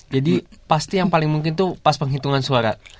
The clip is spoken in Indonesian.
jadi pasti yang paling mungkin tuh pas penghitungan suara